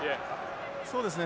そうですね